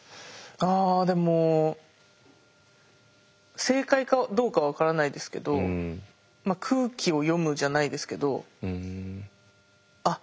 あでも正解かどうか分からないですけど空気を読むじゃないですけどあっ